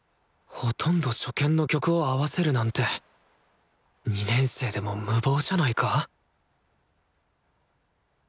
ほとんど初見の曲を合わせるなんて２年生でも無謀じゃないか？